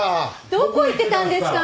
どこ行ってたんですか？